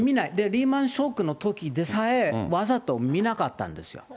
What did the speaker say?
リーマンショックのときでさえ、わざと見なかったんですよ。